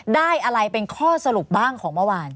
ได้อะไรเป็นข้อสรุปบ้างของเมื่อวาน